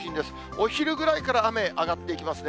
お昼ぐらいから雨、上がっていきますね。